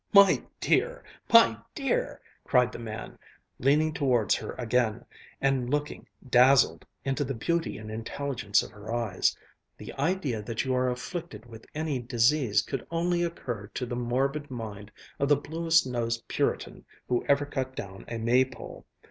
"My dear! My dear!" cried the man, leaning towards her again, and looking dazzled into the beauty and intelligence of her eyes, "the idea that you are afflicted with any disease could only occur to the morbid mind of the bluest nosed Puritan who ever cut down a May pole!